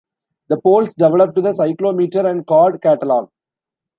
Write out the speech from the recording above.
The Poles developed the cyclometer and card catalog.